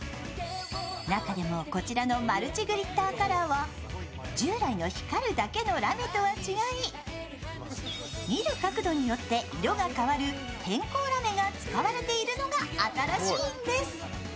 中でもこちらのマルチグリッターカラーは従来の、光るだけのラメとは違い見る角度によって色が変わる偏光ラメが使われているのが新しいんです。